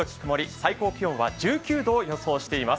最高気温は１９度を予想しています。